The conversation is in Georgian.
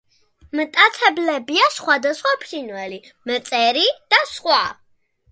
მტაცებლებია სხვადასხვა ფრინველი, მწერები და სხვა.